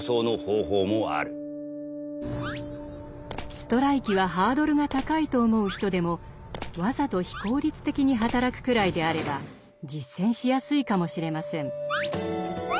ストライキはハードルが高いと思う人でもわざと非効率的に働くくらいであれば実践しやすいかもしれません。